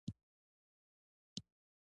ځمکه د ټولو افغانانو د ژوند طرز هم اغېزمنوي.